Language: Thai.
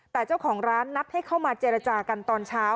แต่เจ้าของร้านนัดให้เข้ามาเจรจากันตอนเช้า